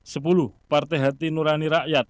sepuluh partai hati nurani rakyat